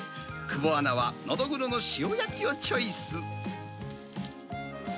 久保アナは、ノドグロの塩焼きをチョイス。